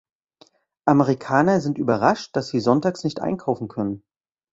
Amerikaner sind überrascht, dass sie sonntags nicht einkaufen können.